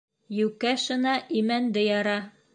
Йүкә шына имәнде яра.